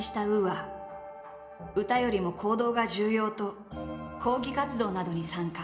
歌よりも行動が重要と抗議活動などに参加。